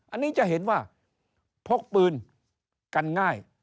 อันนี้จะเห็นว่าพกปืนกันง่าย